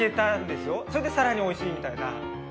それで更においしいみたいな。